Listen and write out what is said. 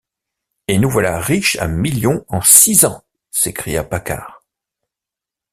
Et nous voilà riches à millions en six ans! s’écria Paccard.